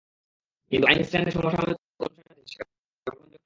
কিন্তু আইনস্টাইনের সমসাময়িক অনুসারীদের কাছে সেটা গ্রহণযোগ্য হয়নি।